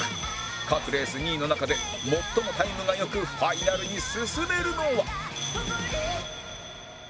各レース２位の中で最もタイムが良くファイナルに進めるのは